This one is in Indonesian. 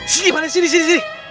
sini pade sini sini